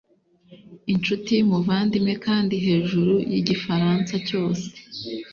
inshuti, muvandimwe, kandi hejuru yigifaransa cyose